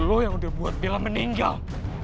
lu yang udah buat bella meninggal